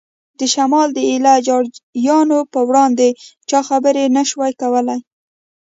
د شمال د ایله جاریانو په وړاندې چا خبرې نه شوای کولای.